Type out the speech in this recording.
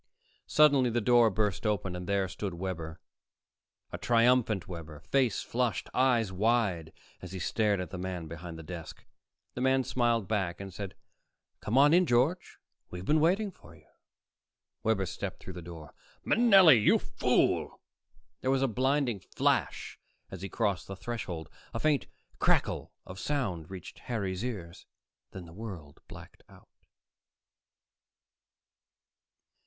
Suddenly the door burst open and there stood Webber, a triumphant Webber, face flushed, eyes wide, as he stared at the man behind the desk. The man smiled back and said, "Come on in, George. We've been waiting for you." Webber stepped through the door. "Manelli, you fool!" There was a blinding flash as he crossed the threshold. A faint crackle of sound reached Harry's ears; then the world blacked out....